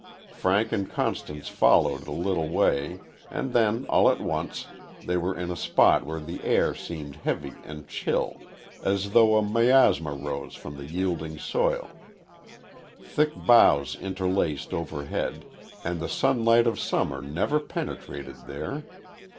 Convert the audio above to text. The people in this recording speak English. Frank and Constance followed a little way, and then all at once they were in a spot where the air seemed heavy and chill, as though a miasma rose from the yielding soil. Thick boughs interlaced overhead, and the sunlight of summer never penetrated there.